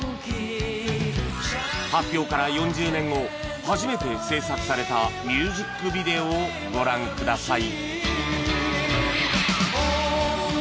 発表から４０年後初めて制作されたミュージックビデオをご覧ください